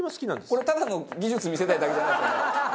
これただの技術見せたいだけじゃないですよね？